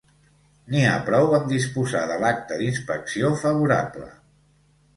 N'hi ha prou amb disposar de l'acta d'inspecció favorable.